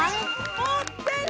持ってる！